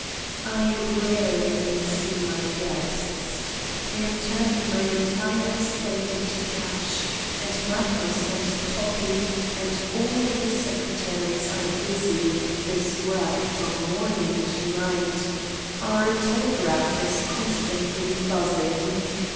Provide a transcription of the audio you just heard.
I rarely see my guests. I am turning my entire estate into cash and Magnus and Toppi and all the secretaries are busy with this work from morning to night; our telegraph is constantly buzzing.